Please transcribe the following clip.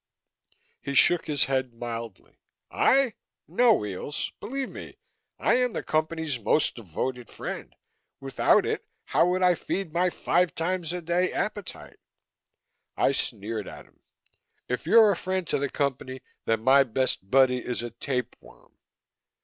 He shook his head mildly. "I? No, Weels. Believe me, I am the Company's most devoted friend. Without it, how would I feed my five times a day appetite?" I sneered at him. "If you're a friend to the Company, then my best buddy is a tapeworm."